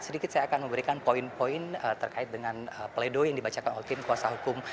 sedikit saya akan memberikan poin poin terkait dengan pledoi yang dibacakan oleh tim kuasa hukum